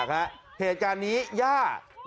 เหตุการณ์นี้ย่าตีหลานฮะเหม็นหน้ากันอยู่แล้วฮะ